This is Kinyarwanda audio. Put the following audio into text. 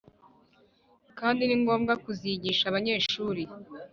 kandi ni ngombwa kuzigisha abanyeshuri